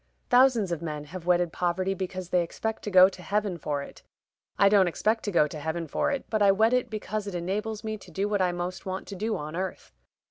Thousands of men have wedded poverty because they expect to go to heaven for it; I don't expect to go to heaven for it, but I wed it because it enables me to do what I most want to do on earth.